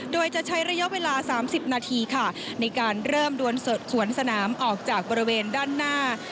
โดยจะใช้ระยะเวลา๓๐นาทีค่ะในการเริ่มดวนสดขวนสนามออกจากบริเวณด้านหน้า